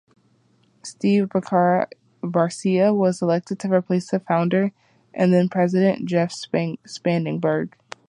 Steve Barcia was elected to replace the founder and then-president Jeff Spangenberg.